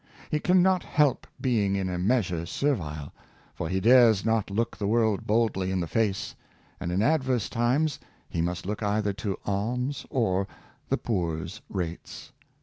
He can not help being in a measure servile, for he dares not look the world boldly in the face; and in adverse times he must look either to alms or the poor's rates.